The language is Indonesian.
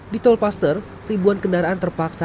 di tol paster ribuan kendaraan terpaksa